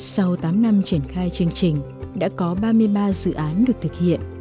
sau tám năm triển khai chương trình đã có ba mươi ba dự án được thực hiện